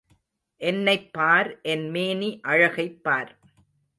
என்னைப் பார் என் மேனி அழகைப் பார்.